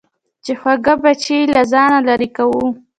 چې خواږه بچي له ځانه لېرې کوو.